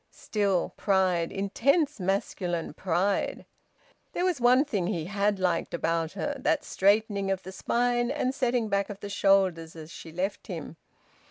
Still, pride! Intense masculine pride! There was one thing he had liked about her: that straightening of the spine and setting back of the shoulders as she left him.